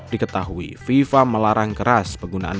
diketahui fifa melarang keras penggunaan